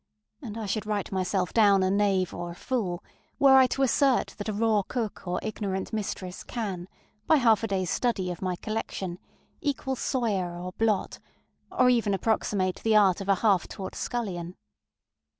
ŌĆØ And I should write myself down a knave or a fool, were I to assert that a raw cook or ignorant mistress can, by half a dayŌĆÖs study of my collection, equal Soyer or Blot, or even approximate the art of a half taught scullion.